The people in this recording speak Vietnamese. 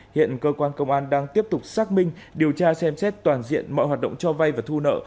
hiện cơ quan công an đang tiếp tục xác minh điều tra xem xét toàn diện mọi hoạt động cho vay và thu nợ